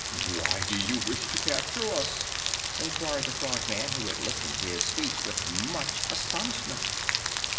"Why do you wish to capture us?" inquired the Frogman, who had listened to his speech with much astonishment.